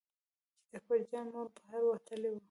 چې د اکبر جان مور بهر وتلې وه.